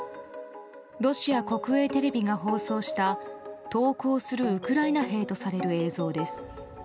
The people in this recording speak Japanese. ロシア国営テレビが放送した投降するウクライナ兵とされる映像です。